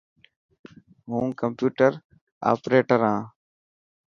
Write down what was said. هون ڪمپيوٽر آپريٽر آن.